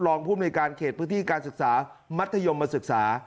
รองผู้มนูญการเขตพฤติการศึกษามัธยมศึกษา